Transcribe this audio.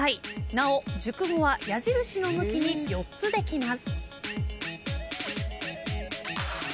なお熟語は矢印の向きに４つできます。